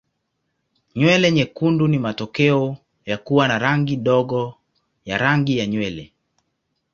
Nywele nyekundu ni matokeo ya kuwa na rangi ndogo ya rangi ya nywele.